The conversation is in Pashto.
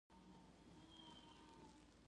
سانکو هم له ټایلر سره په دې حمله کې ملګری و.